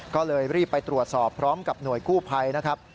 ก็เลยรีบไปตรวจสอบพร้อมกับหน่วยกู้ภัยนะครับ